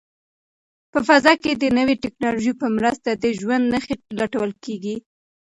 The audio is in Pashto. په فضا کې د نوې ټیکنالوژۍ په مرسته د ژوند نښې لټول کیږي.